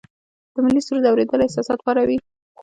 د ملي سرود اوریدل احساسات پاروي.